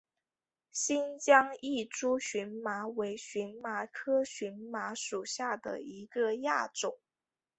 新疆异株荨麻为荨麻科荨麻属下的一个亚种。